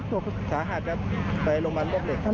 จัดหาแดดครับไปโรงพยาบาลโลกเล็ต